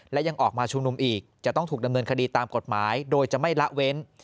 และยังออกมาชุมนุมอีกจะต้องถูกดำเนินคดีตามกฎหมายโดยจะไม่ละเว้น